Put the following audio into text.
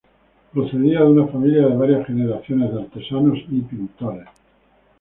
Procedía de una familia de varias generaciones de artesanos y pintores.